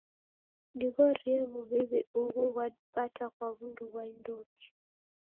Dighorie wuwiwi ughu ghwadipata kwa wundu ghwa indoki?